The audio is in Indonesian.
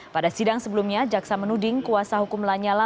pada sidang sebelumnya jaksa menuding kuasa hukum lanyala